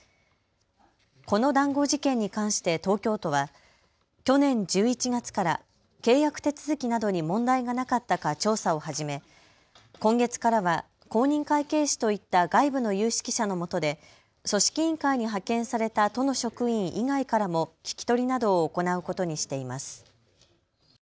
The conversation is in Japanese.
この談合事件に関して東京都は去年１１月から契約手続きなどに問題がなかったか調査を始め今月からは公認会計士といった外部の有識者のもとで組織委員会に派遣された都の職員以外からも聞き取りなどを行うことにしています。